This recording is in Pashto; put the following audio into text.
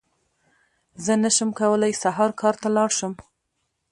زه نشم کولی سهار کار ته لاړ شم!